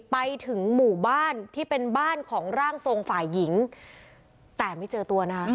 ไปถึงหมู่บ้านที่เป็นบ้านของร่างทรงฝ่ายหญิงแต่ไม่เจอตัวนะคะ